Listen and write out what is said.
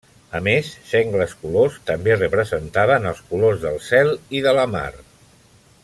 A més, sengles colors també representaven els colors del cel i de la mar.